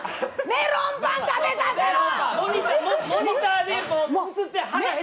メロンパン食べさせろ。